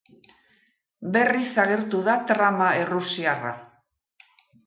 Berriz agertu da trama errusiarra.